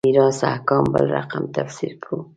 د میراث احکام بل رقم تفسیر کړو.